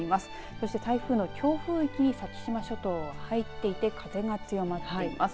そして、台風の強風域に先島諸島は入っていて風が強まっています。